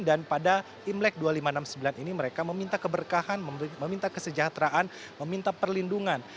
dan pada imlek dua ribu lima ratus enam puluh sembilan ini mereka meminta keberkahan meminta kesejahteraan meminta perlindungan